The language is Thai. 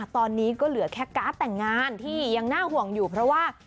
ตอนนี้ก็เหลือแค่การ์ดแต่งงานที่ยังน่าห่วงอยู่เพราะว่า